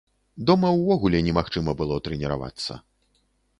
Дома ўвогуле немагчыма было трэніравацца.